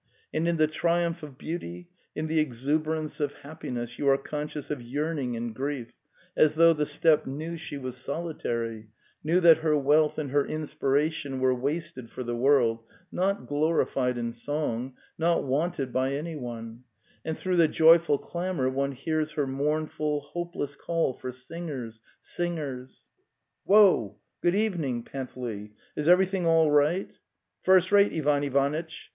And in the triumph of beauty, in the exuberance of happiness you are conscious of yearning and grief, as though the steppe knew she was solitary, knew that her wealth and her inspiration were wasted for the world, not glorified in song, not wanted by any one; and through the joyful clamour one hears her mournful, hopeless call for singers, singers! ""Woa! Good evening, Panteley! Is _ every thing all right?" '* First rate, Ivan Ivanitch!